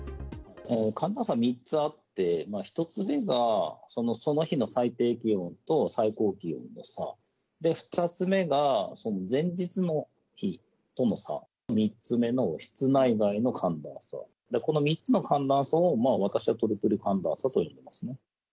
寒暖差３つあって、１つ目がその日の最低気温と最高気温の差、２つ目が前日の日との差、３つ目の室内外の寒暖差、この３つの寒暖差を私はトリプル寒暖差と呼んでいますね。